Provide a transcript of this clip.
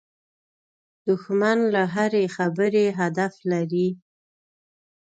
دښمن له هرې خبرې هدف لري